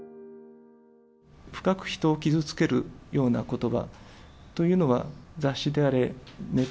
深く人を傷つけるようなことばというのは、雑誌であれ、ネッ